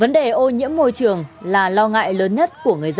vấn đề ô nhiễm môi trường là lo ngại lớn nhất